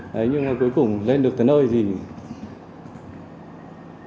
đấy nhưng mà cuối cùng lên được tới nơi thì ba lập kỉ cũng nằm xuống